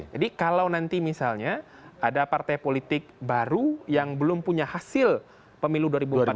jadi kalau nanti misalnya ada partai politik baru yang belum punya hasil pemilu dua ribu empat belas